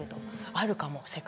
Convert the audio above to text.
あるかも世界。